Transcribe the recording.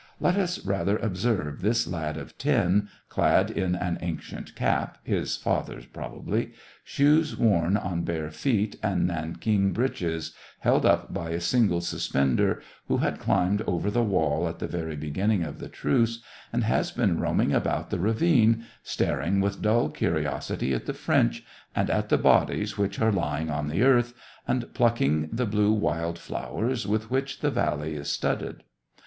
Let us rather observe this lad of ten, clad in an ancient cap, his father's probably, shoes worn on bare feet, and nankeen breeches, held up by a single suspender, who had climbed over the wall at the very beginning of the truce, and has been roaming about the ravine, staring with dull curiosity at the French, and at the bodies which are lying on the earth, and plucking the blue wild flowers with which the valley is studded.